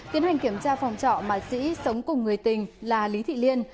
tiến hành kiểm tra phòng trọ mà sĩ sống cùng người tình là lý thị liên